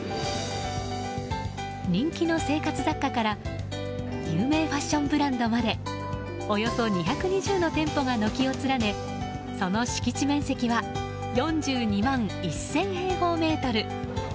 人気の生活雑貨から有名ファッションブランドまでおよそ２２０の店舗が軒を連ねその敷地面積は４２万１０００平方メートル。